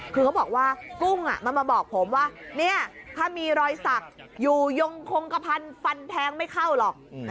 คือเขาบอกว่ากุ้งมันมาบอกผมว่าเนี่ยถ้ามีรอยสักอยู่ยงคงกระพันฟันแทงไม่เข้าหรอก